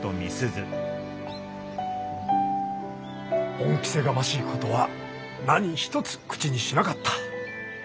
恩着せがましいことは何一つ口にしなかった。